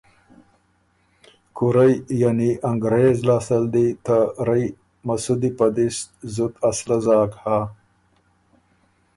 کورئ (انګرېز) لاسته ل دی ته رئ (مسودی) په دِس زُت اسلحۀ زاک هۀ